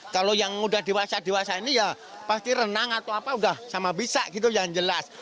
kalau yang udah dewasa dewasa ini ya pasti renang atau apa udah sama bisa gitu yang jelas